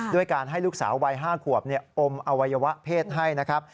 ด้วยการให้ลูกสาววัย๕ขวบอมอวัยวะเพศให้นะครับ